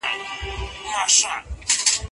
روغتيا يو لوی نعمت دی بايد شکر يې وباسو.